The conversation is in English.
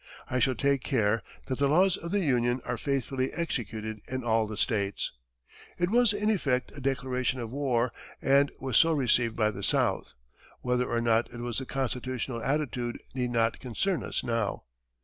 I shall take care that the laws of the Union are faithfully executed in all the States." It was, in effect, a declaration of war, and was so received by the South. Whether or not it was the constitutional attitude need not concern us now.